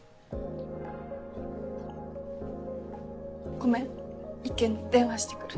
ごめん１件電話してくる。